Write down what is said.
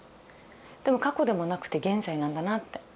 でも過去でもなくて現在なんだなって。